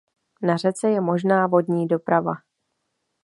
Na řece je možná vodní doprava.